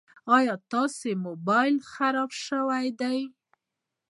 ایا ستا مبایل خراب شوی ده؟